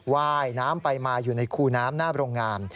ว่ายน้ำไปมาอยู่ในคูน้ำหน้าโรงงาน